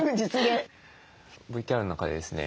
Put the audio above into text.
ＶＴＲの中でですね